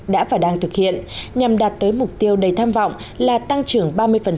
đã và đang thực hiện nhằm đạt tới mục tiêu đầy tham vọng là tăng trưởng ba mươi